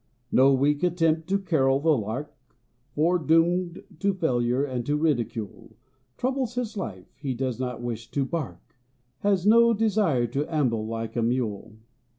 = No weak attempt to carol like the Lark, `Fore doomed to failure and to ridicule, Troubles his life; he does not wish to bark, `Has no desire to amble like a Mule.